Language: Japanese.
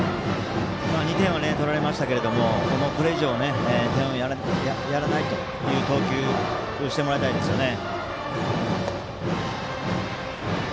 ２点は取られましたがこれ以上、点をやらないという投球をしてもらいたいですね。